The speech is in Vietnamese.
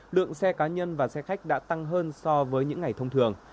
lượng xe cá nhân và xe khách đã tăng hơn so với những ngày thông thường